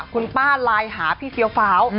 คุณป้าไลน์หาพี่เฟี้ยวฟ้าว